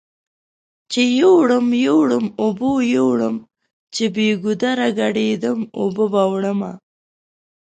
چې يوړم يوړم اوبو يوړم چې بې ګودره ګډ يدم اوبو به وړمه